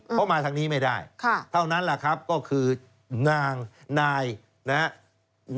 เขามาทางนี้ไม่ได้เท่านั้นแหละครับก็คือนางนายนะครับ